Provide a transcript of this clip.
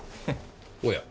おや。